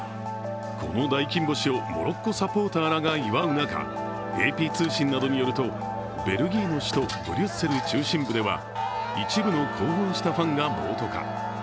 この大金星を、モロッコサポーターらが祝う中ベルギーの首都ブリュッセル中心部では一部の興奮したファンが暴徒化。